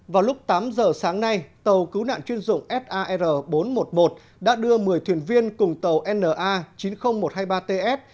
vào lúc tám giờ sáng nay tàu cứu nạn chuyên dụng sar bốn trăm một mươi một đã đưa một mươi thuyền viên cùng tàu na chín mươi nghìn một trăm hai mươi ba ts